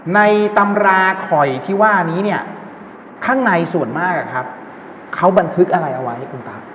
ในตำราข่อยที่ว่านี้เนี้ยข้างในส่วนมากอะครับเขาบันทึกอะไรเอาไว้คุณตากัน